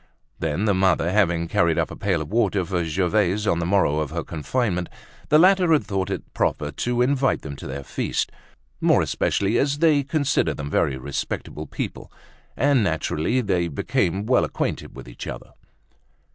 Then the mother, having carried up a pail of water for Gervaise on the morrow of her confinement, the latter had thought it the proper thing to invite them to the feast, more especially as she considered them very respectable people. And naturally, they there became well acquainted with each other.